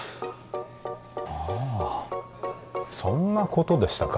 ああそんなことでしたか